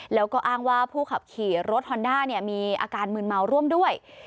แล้วก็อ้างว่าผู้ขับขี่รถฮอนด้ามีอาการมืนเมาร่วมด้วย